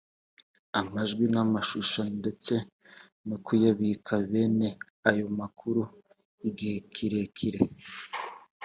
amajwi n amashusho ndetse no kuyabika bene ayo makuru igihe kirekire